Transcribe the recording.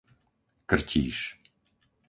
Krtíš